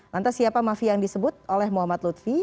lantas siapa mafia yang disebut oleh muhammad lutfi